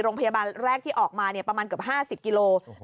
โรงพยาบาลแรกที่ออกมาประมาณเกือบ๕๐กิโลกรัม